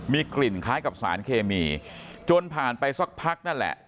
มีกลิ่นคล้ายกับสารเคมีจนผ่านไปสักพักนั่นแหละ